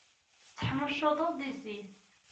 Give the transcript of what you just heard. Tetteḥnuccuḍeḍ di zzit.